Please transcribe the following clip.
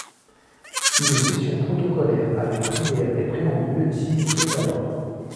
Une session protocolaire avec prières et préambules s'initiait alors.